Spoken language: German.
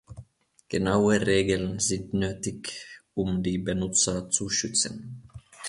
Genaue Regeln sind nötig, um die Benutzer zu schützen.